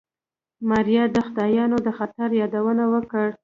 ماريا د خداينور د خطر يادونه وکړه.